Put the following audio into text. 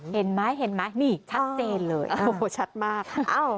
เห็นไหมเห็นไหมนี่ชัดเจนเลยโอ้โหชัดมากค่ะ